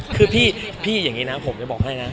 คือคุยยังไงนะผมจะบอกให้นะพี่